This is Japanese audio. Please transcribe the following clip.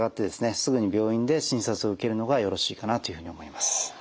すぐに病院で診察を受けるのがよろしいかなというふうに思います。